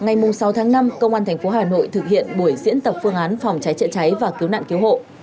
hôm sáu tháng năm công an thành phố hà nội thực hiện buổi diễn tập phương án phòng cháy chữa cháy và cứu nạn cứu hộ